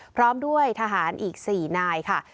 พร้อมด้วยทหารอีก๔นายค่ะ